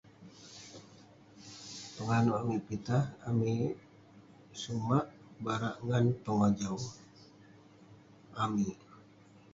Penganouk amik pitah, amik sumak barak ngan pengojau amik.